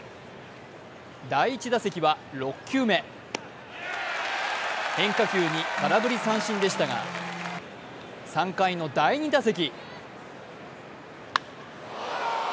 第１打席は６球目変化球に空振り三振でしたが３回の第２打席。